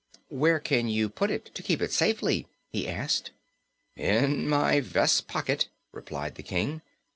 "Where can you put it, to keep it safely?" he asked. "In my vest pocket," replied the King.